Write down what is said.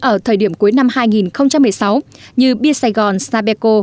ở thời điểm cuối năm hai nghìn một mươi sáu như bia sài gòn sàpeco